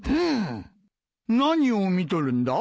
何を見とるんだ？